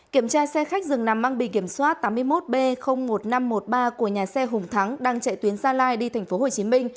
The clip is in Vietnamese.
kiểm tra xe khách dừng nằm mang bị kiểm soát tám mươi một b một nghìn năm trăm một mươi ba của nhà xe hùng thắng đang chạy tuyến gia lai đi tp hcm